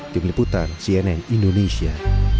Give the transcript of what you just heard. tim liputan cnn indonesia